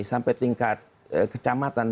sampai tingkat kecamatan